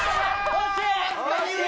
惜しい！